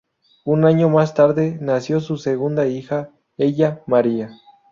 Un año más tarde nació su segunda hija, Ella Maria.